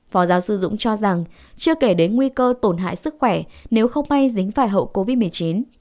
phó giáo sư dũng cho rằng chưa kể đến nguy cơ tổn hại sức khỏe nếu không may dính phải hậu covid một mươi chín